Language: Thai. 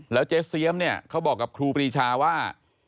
แล้วเจ๊เสียมเนี่ยเขาบอกกับครูปรีชาว่า